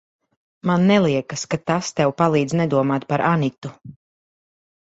Man neliekas, ka tas tev palīdz nedomāt par Anitu.